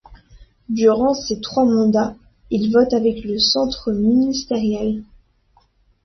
Durant ses trois mandats, il vote avec le centre ministériel.